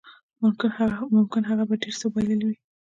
ممکن هغه به ډېر څه بایللي وای